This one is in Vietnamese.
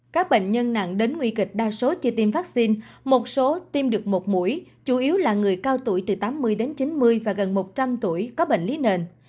các bệnh nhân nặng đến nguy kịch đa số chưa tiêm vaccine một số tiêm được một mũi chủ yếu là người cao tuổi từ tám mươi đến chín mươi và gần một trăm linh tuổi có bệnh lý nền